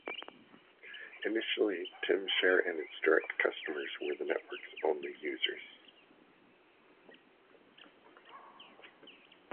Initially, Tymshare and its direct customers were the network's only users.